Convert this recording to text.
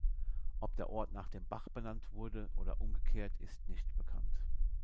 Ob der Ort nach dem Bach benannt wurde oder umgekehrt, ist nicht bekannt.